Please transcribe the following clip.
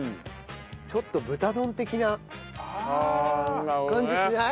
ちょっと豚丼的な感じしない？